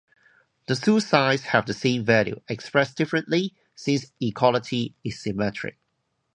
The two sides have the same value, expressed differently, since equality is symmetric.